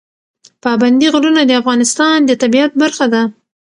پابندی غرونه د افغانستان د طبیعت برخه ده.